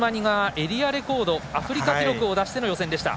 エリアレコード、アフリカ記録を出しての予選でした。